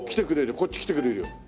こっち来てくれるよ。